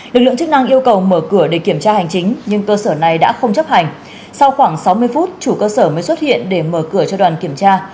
lực lượng chức năng yêu cầu mở cửa để kiểm tra hành chính nhưng cơ sở này đã không chấp hành sau khoảng sáu mươi phút chủ cơ sở mới xuất hiện để mở cửa cho đoàn kiểm tra